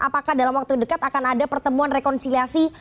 apakah dalam waktu dekat akan ada pertemuan rekonsiliasi